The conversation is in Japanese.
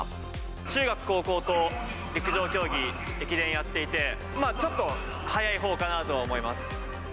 中学、高校と、陸上競技、駅伝やっていて、まあ、ちょっと速いほうかなとは思います。